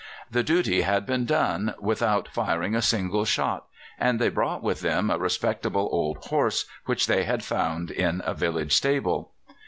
The duty had been done without firing a single shot, and they brought with them a respectable old horse which they had found in a village stable."